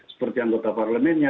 seperti anggota parlemennya